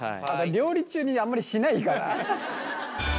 料理中にあんまりしないから。